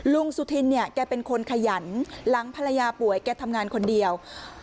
สุธินเนี่ยแกเป็นคนขยันหลังภรรยาป่วยแกทำงานคนเดียว